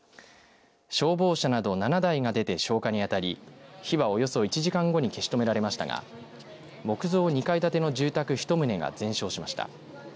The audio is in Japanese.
消防車など７台が出て消火に当たり火はおよそ１時間後に消し止められましたが木造２階建ての住宅１棟が全焼しました。